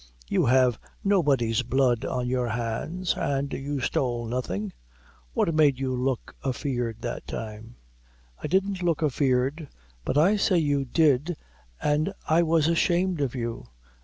You have nobody's blood on your hands, an' you stole nothing. What made you look afeard that time?" "I didn't look afeard." "But I say you did, an' I was ashamed of you."